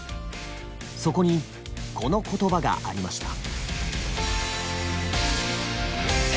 そこにこの言葉がありました。